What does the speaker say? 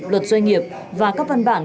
luật doanh nghiệp và các văn bản